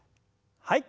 はい。